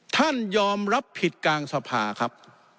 ท่านยอมรับผิดกลางสภาครับ